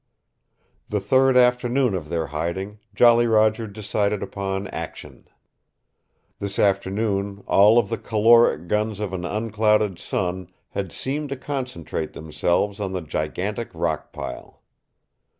The third afternoon of their hiding, Jolly Roger decided upon action. This afternoon all of the caloric guns of an unclouded sun had seemed to concentrate themselves on the gigantic rock pile.